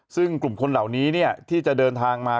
ซึ่งกลุ่มคนเหล่านี้ที่จะเดินทางมา